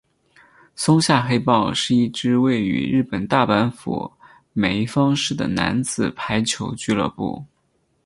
松下黑豹是一支位于日本大阪府枚方市的男子排球俱乐部。